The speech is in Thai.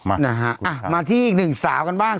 อ่ะมาที่อีกหนึ่งสาวกันบ้าง